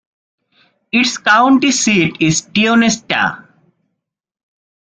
Its county seat is Tionesta.